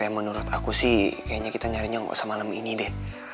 rev ya menurut aku sih kayaknya kita nyarinya gak usah malem ini deh